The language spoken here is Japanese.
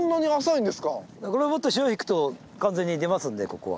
これもっと潮引くと完全に出ますんでここは。